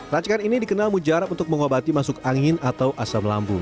racikan ini dikenal mujarab untuk mengobati masuk angin atau asam lambung